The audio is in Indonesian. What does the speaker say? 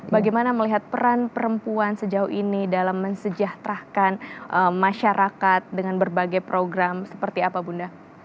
bagaimana melihat peran perempuan sejauh ini dalam mensejahterakan masyarakat dengan berbagai program seperti apa bunda